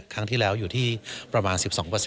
ครั้งที่แล้วอยู่ที่ประมาณ๑๒